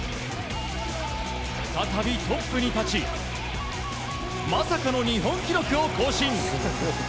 再びトップに立ちまさかの日本記録を更新！